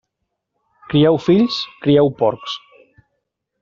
Crieu fills, crieu porcs.